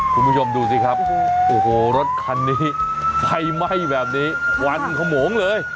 คุณผู้ชมดูสิครับโอ้โหรถคันนี้ไฟไหม้แบบนี้ควันขโมงเลย